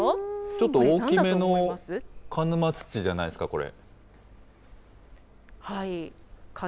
ちょっと大きめの鹿沼土じゃないですか、これ。